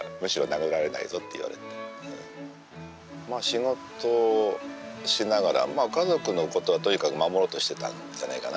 まあ仕事しながら家族のことはとにかく守ろうとしてたんじゃないかな。